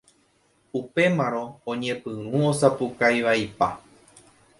Upémarõ oñepyrũ osapukaivaipa.